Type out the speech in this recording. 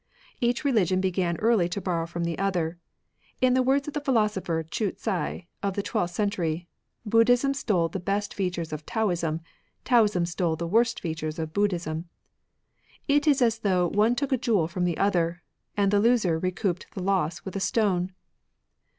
Each religion began early to borrow from the other. In the words of the philosopher Chu Hsi, of the twelfth century, " Buddhism stole the best features of Taoism ; Taoism stole the worst features of Buddhism. It is as though one took a jewel from the other, and the loser recouped the loss with a stone."